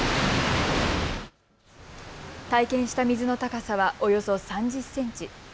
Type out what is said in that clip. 体験した水の高さはおよそ３０センチ。